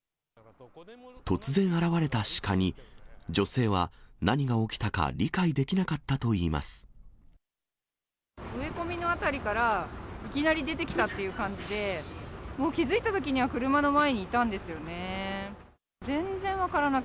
突然現れた鹿に、女性は何が起きたか理解できなかったといい植え込みの辺りから、いきなり出てきたっていう感じで、もう気付いたときには車の前にいたんですよね。